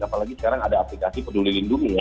apalagi sekarang ada aplikasi peduli lindungi ya